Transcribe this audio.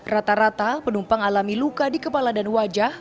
rata rata penumpang alami luka di kepala dan wajah